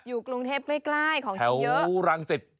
อยู่กรุงเทพใกล้ของที่เยอะ